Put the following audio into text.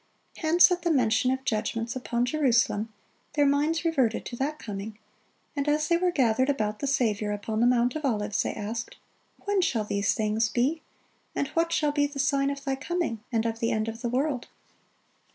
Hence at the mention of judgments upon Jerusalem, their minds reverted to that coming; and as they were gathered about the Saviour upon the Mount of Olives, they asked, "When shall these things be? and what shall be the sign of Thy coming, and of the end of the world?"